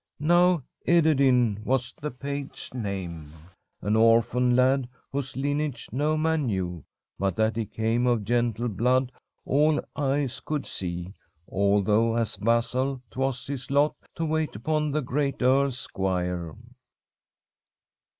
Now Ederyn was the page's name, an orphan lad whose lineage no man knew, but that he came of gentle blood all eyes could see, although as vassal 'twas his lot to wait upon the great earl's squire.